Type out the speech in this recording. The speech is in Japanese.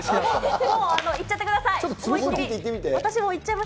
もういっちゃってください。